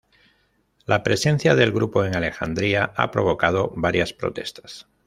La presencia del grupo en Alejandría ha provocado varias protestas.